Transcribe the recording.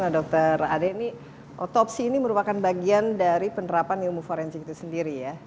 dokter ade ini otopsi ini merupakan bagian dari penerapan ilmu forensik itu sendiri ya